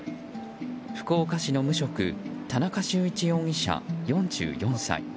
福岡市の無職田中修一容疑者、４４歳。